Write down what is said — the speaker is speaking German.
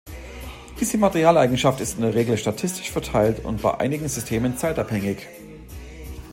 Diese Materialeigenschaft ist in der Regel statistisch verteilt und bei einigen Systemen zeitabhängig.